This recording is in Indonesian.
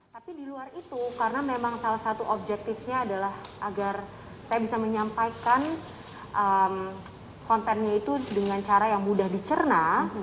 tapi di luar itu karena memang salah satu objektifnya adalah agar saya bisa menyampaikan kontennya itu dengan cara yang mudah dicerna